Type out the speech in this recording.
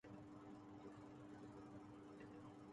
ان کے سفر نامے قابل دید ہیں